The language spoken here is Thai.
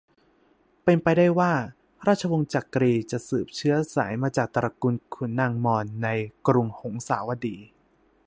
เป็นไปได้ว่า ราชวงศ์จักรีจะสืบเชื้อสายมาจากตระกูลขุนนางมอญในกรุงหงสาวดี